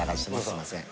すみません。